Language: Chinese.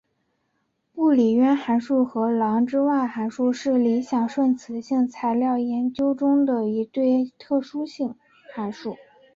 布里渊函数和郎之万函数是理想顺磁性材料研究中的一对特殊函数。